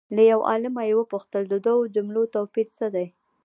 له یو عالمه یې وپوښتل د دوو جملو توپیر څه دی؟